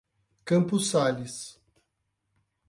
Campos Sales